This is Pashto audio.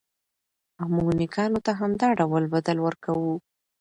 او موږ نېکانو ته همدا ډول بدل ورکوو.